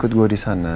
ikut gue disana